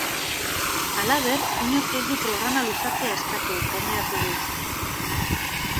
Halaber, inork ez du programa luzatzea eskatu, gaineratu du.